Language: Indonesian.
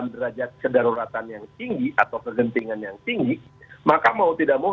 mau tidak mau